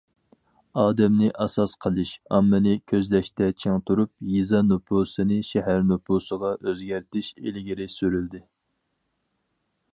ئادەمنى ئاساس قىلىش، ئاممىنى كۆزلەشتە چىڭ تۇرۇپ، يېزا نوپۇسىنى شەھەر نوپۇسىغا ئۆزگەرتىش ئىلگىرى سۈرۈلدى.